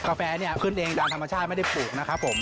แฟเนี่ยขึ้นเองตามธรรมชาติไม่ได้ปลูกนะครับผม